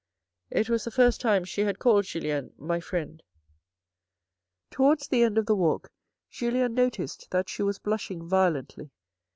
It was the first time she had called Julien " My friend." Towards the end of the walk, Julien noticed that she was blushing violently.